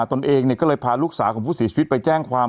ตนเองก็เลยพาลูกสาวของผู้เสียชีวิตไปแจ้งความ